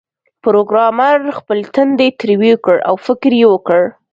پروګرامر خپل تندی ترېو کړ او فکر یې وکړ